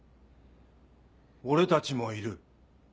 俺たちもいる。